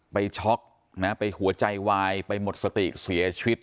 ช็อกนะไปหัวใจวายไปหมดสติเสียชีวิต